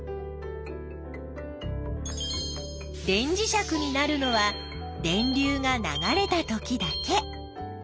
電磁石になるのは電流が流れたときだけ。